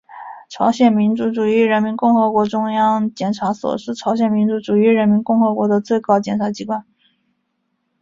朝鲜民主主义人民共和国中央检察所是朝鲜民主主义人民共和国的最高检察机关。